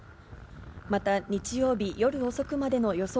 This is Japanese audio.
また、日曜日夜遅くまでの予想